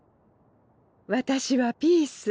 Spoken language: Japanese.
私はピース。